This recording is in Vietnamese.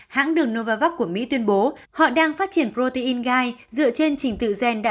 một mươi một hãng đường novavax của mỹ tuyên bố họ đang phát triển protein gai dựa trên trình tự gen đã